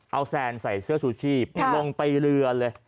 เอาแซนใส่เสื้อชูชีพลงไปเรือเลย